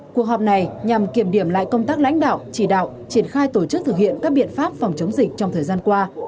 cuộc họp này nhằm kiểm điểm lại công tác lãnh đạo chỉ đạo triển khai tổ chức thực hiện các biện pháp phòng chống dịch trong thời gian qua